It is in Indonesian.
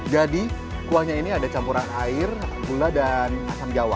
jadi kuahnya ini ada campuran air gula dan asam jawa